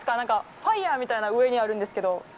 ファイヤーみたいなのが上にあるんですけど。